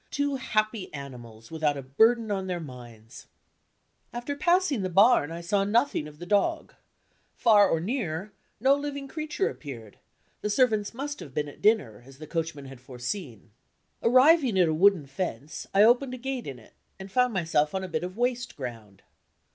Two happy animals, without a burden on their minds! After passing the barn, I saw nothing of the dog. Far or near, no living creature appeared; the servants must have been at dinner, as the coachman had foreseen. Arriving at a wooden fence, I opened a gate in it, and found myself on a bit of waste ground.